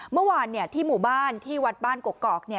เมื่อวานที่หมู่บ้านที่วัดบ้านกกอก